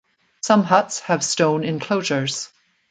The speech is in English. Some huts have stone enclosures.